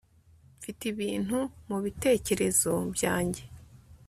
Mfite ibintu mubitekerezo byanjye